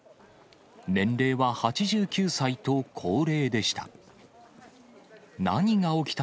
年齢は８９歳と高齢でした。